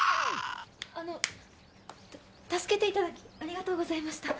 あの助けて頂きありがとうございました。